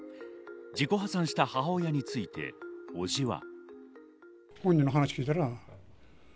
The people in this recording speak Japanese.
自己破産した母親について伯父は。